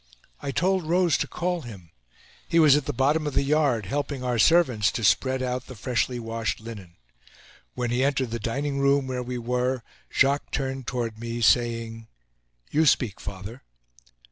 I told Rose to call him. He was at the bottom of the yard, helping our servants to spread out the freshly washed linen. When he entered the dining room, where we were, Jacques turned toward me, saying: "You speak, father."